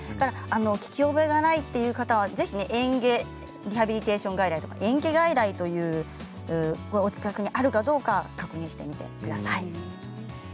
聞き覚えがないという方はぜひえん下リハビリテーション外来とか、えん下外来がお近くにあるかどうか確認してみてください。